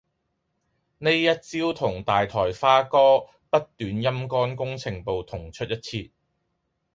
呢一招同大台花哥不斷陰乾工程部同出一轍